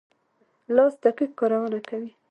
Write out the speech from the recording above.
لاس دقیق کارونه کوي.